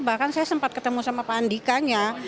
bahkan saya sempat ketemu sama pandikanya